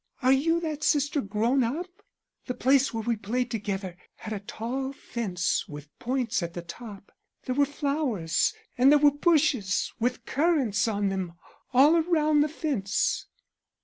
Are you that sister grown up? The place where we played together had a tall fence with points at the top. There were flowers and there were bushes with currants on them all round the fence.'